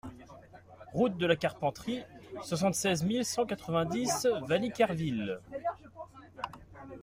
Route de la Carpenterie, soixante-seize mille cent quatre-vingt-dix Valliquerville